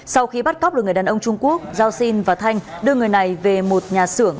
sau khi bắt cóc được người đàn ông trung quốc giao sinh và thanh đưa người này về một nhà xưởng